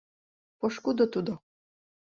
Пошкудо тудо.